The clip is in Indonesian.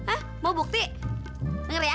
eh mana buktinya